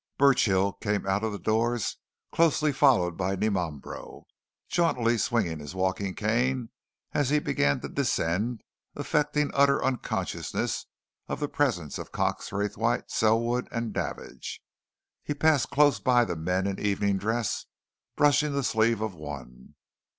Burchill came out of the doors, closely followed by Dimambro. Jauntily swinging his walking cane he began to descend, affecting utter unconsciousness of the presence of Cox Raythwaite, Selwood, and Davidge. He passed close by the men in evening dress, brushing the sleeve of one.